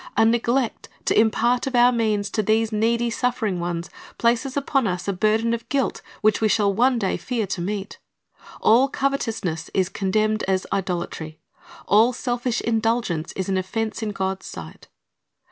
A neglect to impart of our means to these needy, suffering ones places upon us a burden of guilt which we shall one day fear to meet. All covetousness is condemned as idolatry. All selfish indulgence is an offense in God's sight.